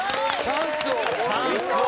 チャンスを。